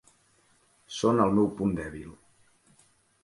Són el meu punt dèbil.